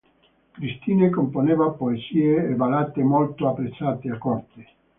Christine componeva poesie e ballate molto apprezzate a corte.